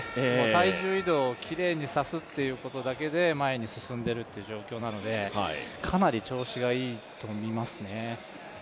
体重移動をきれいにさせるっていうことだけで前に進んでいるという状況なのでかなり調子がいいと見ますね。